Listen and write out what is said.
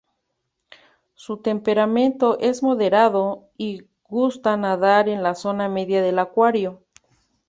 Su temperamento es moderado y gusta nadar en la zona media del acuario.